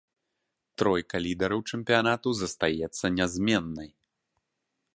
Тройка лідараў чэмпіянату застаецца нязменнай.